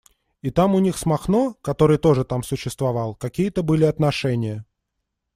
И там у них с Махно, который тоже там существовал, какие-то были отношения.